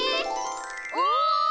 お！